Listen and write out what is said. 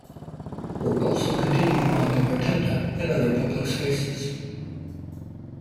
Work also continued on the Rotunda and other public spaces.